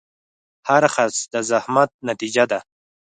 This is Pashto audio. هر خرڅ د زحمت نتیجه ده.